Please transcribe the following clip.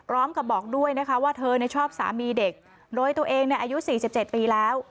บอกด้วยนะคะว่าเธอชอบสามีเด็กโดยตัวเองอายุ๔๗ปีแล้ว